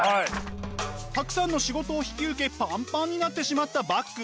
たくさんの仕事を引き受けパンパンになってしまったバッグ。